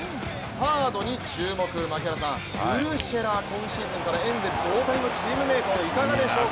サードに注目、ウルシェラ、今シーズンからエンゼルス大谷のチームメイト、いかがでしょうか。